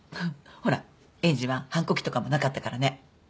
ほらエイジは反抗期とかもなかったからね。